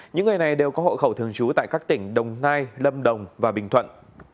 những người này đều có hộ khẩu thường trú tại các tỉnh đồng nai lâm đồng và bình thuận